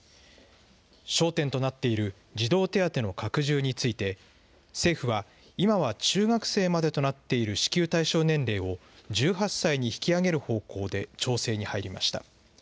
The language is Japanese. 焦点となっている児童手当の拡充について、政府は、今は中学生までとなっている支給対象年齢を、１８歳に引き上げる方向で調整に入りました。